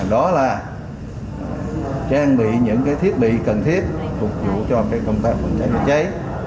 đó là trang bị những thiết bị cần thiết phục vụ cho công tác phòng cháy chữa cháy